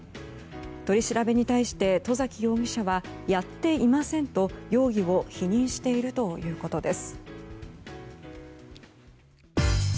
取り調べに対して外崎容疑者はやっていませんと容疑を否認してるということです。